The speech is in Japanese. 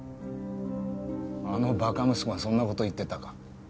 あのバカ息子がそんな事言ってたか。